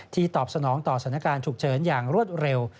ที่ตอบสนองต่อสำนักงานถูกเชิญอย่างรวดเร็ว